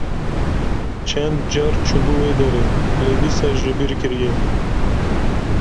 Çend car çûbû wê derê, lê dîsa ji bîr kiriye.